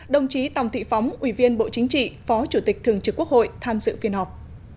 đồng chí tòng thị phóng ủy viên bộ chính trị phó chủ tịch thường trực quốc hội tham dự phiên họp